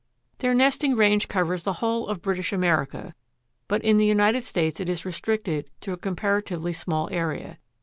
Their nesting range covers the whole of British America, but in the United States it is restricted to a comparatively small area.